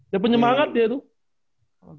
dia penyemangat dia tuh